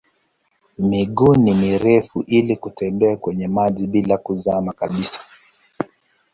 Miguu ni mirefu ili kutembea kwenye maji bila kuzama kabisa.